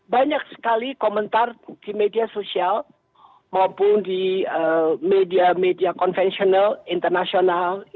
banyak sekali komentar di media sosial maupun di media media konvensional internasional